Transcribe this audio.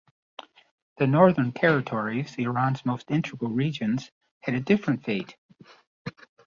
The northern territories, Iran's most integral regions, had a different fate.